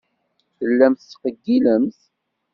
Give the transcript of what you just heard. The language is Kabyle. Tellamt tettqeyyilemt.